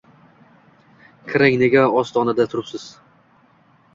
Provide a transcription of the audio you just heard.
Kiring, nega ostonada turipsiz